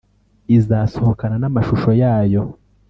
izasohokana n’amashusho yayo